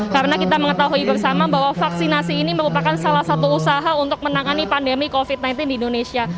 karena kita mengetahui bersama bahwa vaksinasi ini merupakan salah satu usaha untuk menangani pandemi covid sembilan belas di indonesia